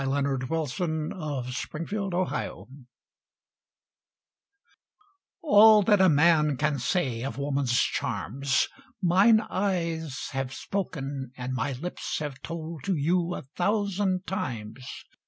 A BACHELOR TO A MARRIED FLIRT ALL that a man can say of woman's charms, Mine eyes have spoken and my lips have told To you a thousand times.